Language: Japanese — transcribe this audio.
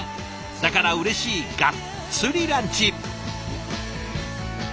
だからうれしいガッツリランチ。